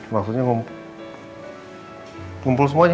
maksudnya ngumpul semuanya